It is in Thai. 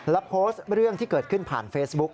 และโพสต์เรื่องที่เกิดขึ้นผ่านเฟซบุ๊ก